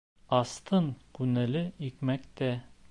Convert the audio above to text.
Астың күңеле икмәктә